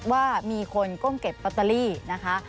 ว่ามีคนก้มเก็บลอตเตอรี่นะคะ